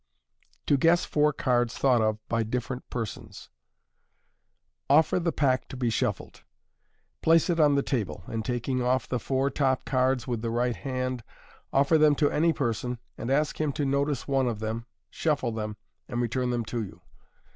To Guess Four Cards thought of by Different Persons. ~Offer the pack to be shuffled. Place it on the table, and taking ofl the four top cards with the right hand, offer them to any person, and ask him to notice one of them, shuffle them, and return them to you.